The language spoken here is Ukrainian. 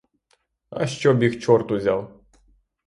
А щоб їх чорт узяв!